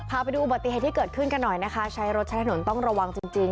พาไปดูอุบัติเหตุที่เกิดขึ้นกันหน่อยนะคะใช้รถใช้ถนนต้องระวังจริง